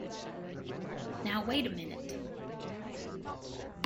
Now wait a minute!